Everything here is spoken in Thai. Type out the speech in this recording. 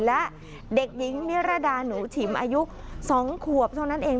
และเด็กหญิงนิรดาหนูฉิมอายุ๒ขวบเท่านั้นเอง